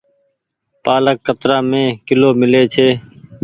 پآلڪ ڪترآ مي ڪلو ميلي ڇي۔